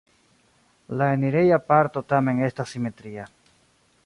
La enireja parto tamen estas simetria.